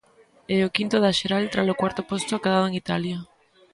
E o quinto da xeral tralo cuarto posto acadado en Italia.